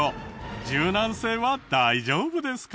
柔軟性は大丈夫ですか？